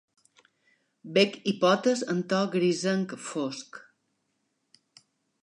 Bec i potes en to grisenc fosc.